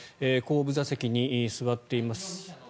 後部座席に座っています。